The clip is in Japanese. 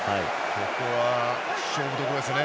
ここは勝負どころですね。